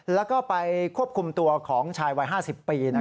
แล้วก็ไปควบคุมตัวของชายวัย๕๐ปี